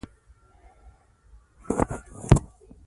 جګړه د سزار په ګټه پای ته ورسېده.